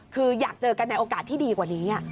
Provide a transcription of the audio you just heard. คืออยากเจอกันในโอกาสที่ดีกว่านี้